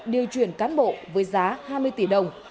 điều chuyển cán bộ với giá hai mươi tỷ đồng